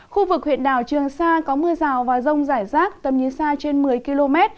khu vực huyện đảo trường sa có mưa rào và rông rải rác tầm nhìn xa trên một mươi km